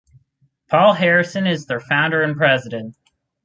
Paul Harrison is their founder and president.